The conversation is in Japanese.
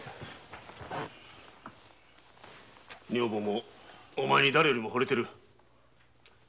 女房もお前にだれよりもホレている。